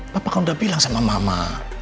bapak kan udah bilang sama mama